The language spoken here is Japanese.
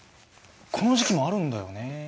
この時期もあるんだよね。